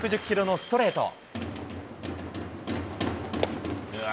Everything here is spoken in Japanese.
１６１キロのストレート。